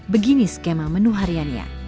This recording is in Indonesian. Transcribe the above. begini skema menu hariannya